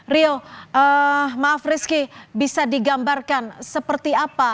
rio maaf rizky bisa digambarkan seperti apa